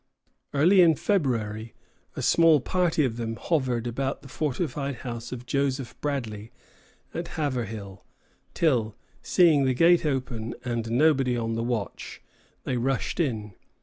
Early in February a small party of them hovered about the fortified house of Joseph Bradley at Haverhill, till, seeing the gate open and nobody on the watch, they rushed in.